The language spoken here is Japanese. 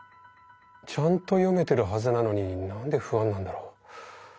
ちゃんと読めてるはずなのに何で不安なんだろう。